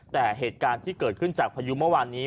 แต่เหตุการณ์ที่เกิดขึ้นจากพายุเมื่อวานนี้